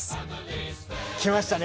きましたね